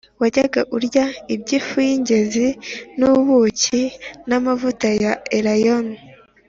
Wajyaga urya iby’ifu y’ingezi n’ubuki n’amavuta ya elayo